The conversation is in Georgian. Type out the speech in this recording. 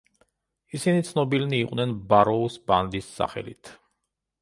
ისინი ცნობილნი იყვნენ ბაროუს ბანდის სახელით.